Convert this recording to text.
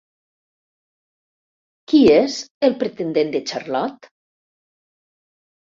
Qui és el pretendent de Charlotte?